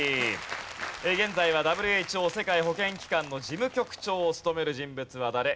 現在はＷＨＯ世界保健機関の事務局長を務める人物は誰？